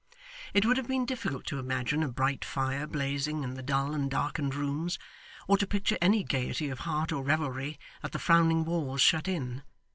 It would have been difficult to imagine a bright fire blazing in the dull and darkened rooms, or to picture any gaiety of heart or revelry that the frowning walls shut in.